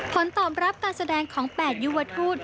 ผลตอบรับการแสดงของ๘ยุวทูต